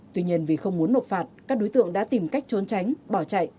tuy nhiên vì không muốn nộp phạt các đối tượng đã tìm cách trốn tránh bỏ chạy